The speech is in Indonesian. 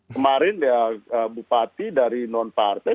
kemarin ya bupati dari non partai